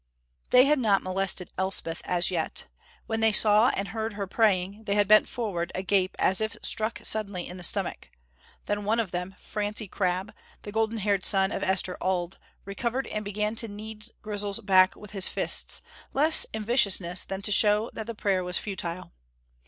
They had not molested Elspeth as yet. When they saw and heard her praying, they had bent forward, agape, as if struck suddenly in the stomach. Then one of them, Francie Crabb, the golden haired son of Esther Auld, recovered and began to knead Grizel's back with his fists, less in viciousness than to show that the prayer was futile.